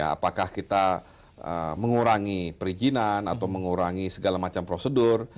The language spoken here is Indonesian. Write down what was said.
apakah kita mengurangi perizinan atau mengurangi segala macam prosedur